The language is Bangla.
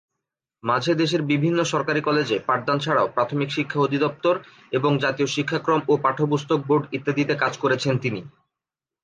মাঝে দেশের বিভিন্ন সরকারি কলেজে পাঠদান ছাড়াও প্রাথমিক শিক্ষা অধিদপ্তর এবং জাতীয় শিক্ষাক্রম ও পাঠ্যপুস্তক বোর্ড ইত্যাদিতে কাজ করেছেন তিনি।